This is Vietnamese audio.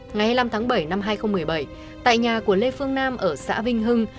ngày hai mươi năm tháng bảy năm hai nghìn một mươi bảy tại nhà của lê phương nam ở xã vinh hưng